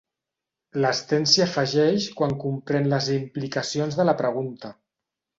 L'Sten s'hi afegeix quan comprèn les implicacions de la pregunta.